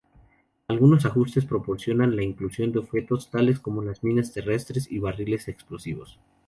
Algunos ajustes proporcionan la inclusión de objetos tales como minas terrestres y barriles explosivos.